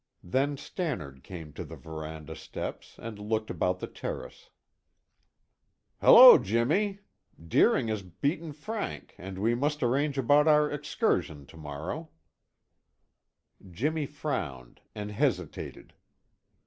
Then Stannard came to the veranda steps and looked about the terrace. "Hello, Jimmy! Deering has beaten Frank and we must arrange about our excursion to morrow." Jimmy frowned and hesitated.